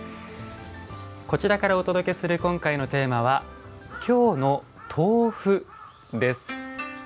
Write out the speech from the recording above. こちらからお届けする今回のテーマは「京のとうふ」です。